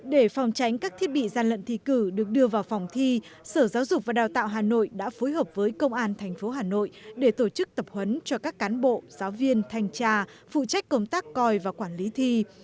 để phòng tránh các thiết bị gian lận thi cử được đưa vào phòng thi sở giáo dục và đào tạo hà nội đã phối hợp với công an tp hà nội để tổ chức tập huấn cho các cán bộ giáo viên thanh tra phụ trách công tác coi và quản lý thi